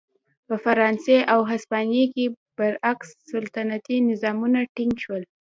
په فرانسې او هسپانیې کې برعکس سلطنتي نظامونه ټینګ شول.